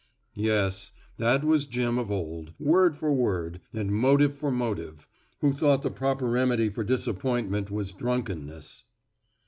Yes, that was Jim of old, word for word and motive for motive, who thought the proper remedy for disappointment was drunkenness.